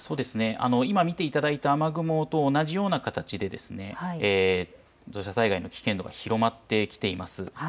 今、見ていただいた雨雲と同じような形で土砂災害の危険度が広まってきています。